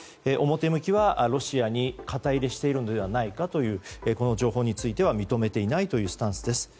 表向きはロシアに肩入れしているのではないかというこの情報については認めていないというスタンス。